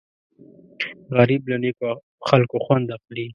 غریب له نیکو خلکو خوند اخلي